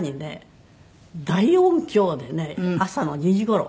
大音響でね朝の２時頃。